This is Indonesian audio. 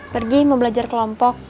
pergi mau belajar kelompok